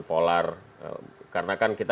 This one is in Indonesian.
polar karena kan kita